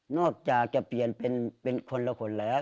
อกจากจะเปลี่ยนเป็นคนละคนแล้ว